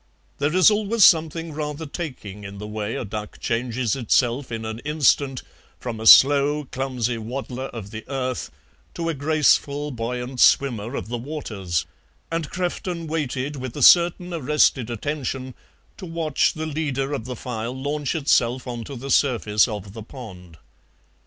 There is always something rather taking in the way a duck changes itself in an instant from a slow, clumsy waddler of the earth to a graceful, buoyant swimmer of the waters, and Crefton waited with a certain arrested attention to watch the leader of the file launch itself on to the surface of the pond.